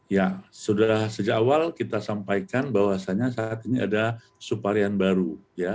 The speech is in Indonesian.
ya sudah sejak awal kita sampaikan bahwasannya saat ini ada subvarian baru